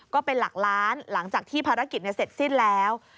ก็เป็นหลักล้านหลังจากที่ภารกิจเสร็จสิ้นแล้ว